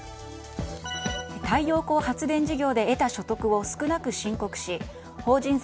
太陽光発電事業で得た所得を少なく申告し法人税